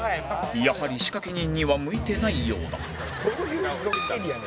やはり仕掛け人には向いてないようだ